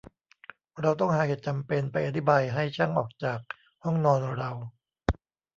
เราต้องหาเหตุจำเป็นไปอธิบายให้ช่างออกจากห้องนอนเรา